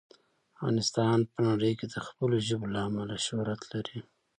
افغانستان په نړۍ کې د خپلو ژبو له امله شهرت لري.